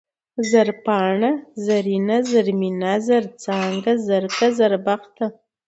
زرپاڼه ، زرينه ، زرمينه ، زرڅانگه ، زرکه ، زربخته